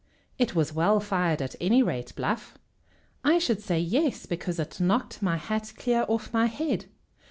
"It was well fired, at any rate, Bluff!" "I should say yes, because it knocked my hat clear off my head.